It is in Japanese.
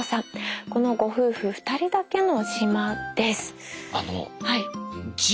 このご夫婦２人だけの島です。